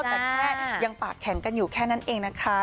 แต่แค่ยังปากแข็งกันอยู่แค่นั้นเองนะคะ